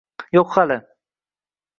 Yo'q, hali